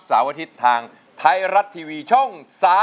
อาทิตย์ทางไทยรัฐทีวีช่อง๓๒